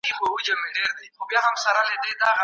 کمپيوټر فارمټ بدلوي.